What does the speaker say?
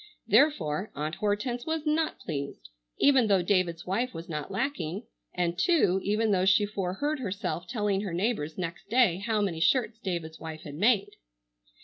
Therefore Aunt Hortense was not pleased, even though David's wife was not lacking, and, too, even though she foreheard herself telling her neighbors next day how many shirts David's wife had made.